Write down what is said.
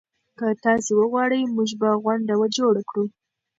که تاسي وغواړئ موږ به غونډه جوړه کړو.